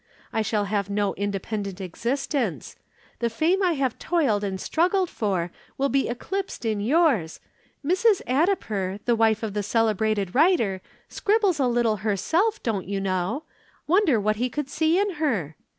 I shall have no independent existence the fame I have toiled and struggled for will be eclipsed in yours. 'Mrs. Addiper the wife of the celebrated writer, scribbles a little herself, don't you know! Wonder what he could see in her!'